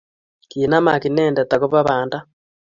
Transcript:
Kinamaak inendet agoba banda